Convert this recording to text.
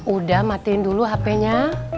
udah matiin dulu hpnya